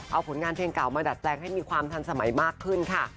เอาผลงานเพลงเก่ามาดัดแปลงให้มีความทันสมัยมากขึ้นค่ะ